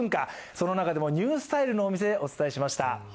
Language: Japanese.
その中でもニュースタイルのお店お伝えしました。